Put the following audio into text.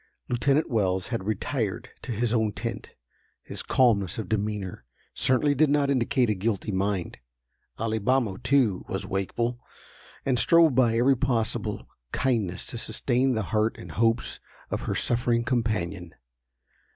Lieutenant Wells had retired to his own tent. His calmness of demeanor certainly did not indicate a guilty mind. Alibamo, too, was wakeful, and strove by every possible kindness to sustain the heart and hopes of her suffering companion.